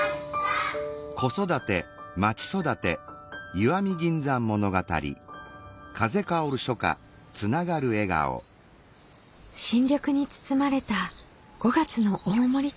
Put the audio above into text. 新緑に包まれた５月の大森町。